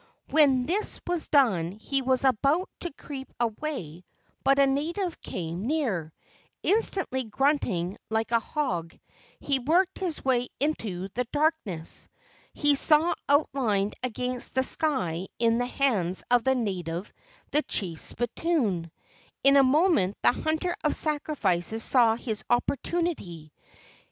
When this was done he was about to creep away, but a native came near. Instantly grunt¬ ing like a hog, he worked his way into the dark¬ ness. He saw outlined against the sky in the hands of the native the chief's spittoon. In a moment the hunter of sacrifices saw his oppor¬ tunity.